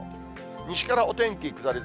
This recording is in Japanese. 西からお天気下り坂。